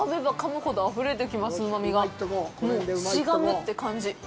もう、しがむって感じ。